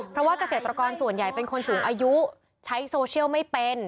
เพราะว่าเกษตรกรส่วนใหญ่เป็นคนสูงอายุใช้โซเชียลไม่เป็น